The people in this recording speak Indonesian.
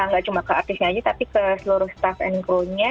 gak cuma ke artisnya aja tapi ke seluruh staff and crewnya